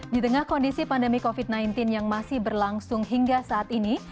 di tengah kondisi pandemi covid sembilan belas yang masih berlangsung hingga saat ini